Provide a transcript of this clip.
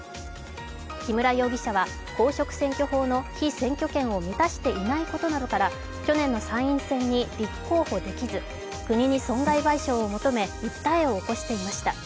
木村容疑者は公職選挙法の被選挙権を満たしていないことなどから去年の参院選に立候補できず国に損害賠償を求め訴えを起こしていました。